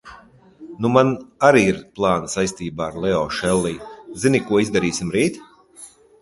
Nu man arī ir plāni saistībā ar Leo Šellij, zini ko izdarīsim rīt?